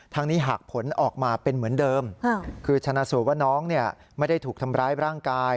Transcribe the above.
นี้หากผลออกมาเป็นเหมือนเดิมคือชนะสูตรว่าน้องไม่ได้ถูกทำร้ายร่างกาย